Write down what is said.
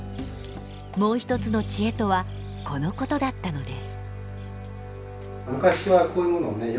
もう一つの知恵とはこのことだったのです。